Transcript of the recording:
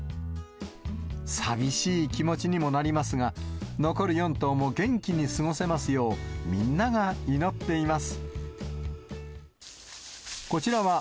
寂しい気持ちにもなりますが、残る４頭も元気に過ごせますよう、みんなが祈っています。